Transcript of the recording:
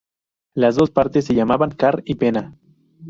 Las dos partes se llamaban car y pena.